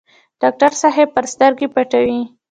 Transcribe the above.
ډاکټر صاحب پرې سترګې پټوي.